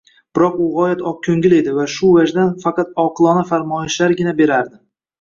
Biroq u g‘oyat oqko‘ngil edi va shu vajdan faqat oqilona farmoyishlargina berardi.